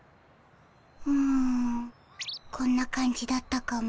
うんこんな感じだったかも。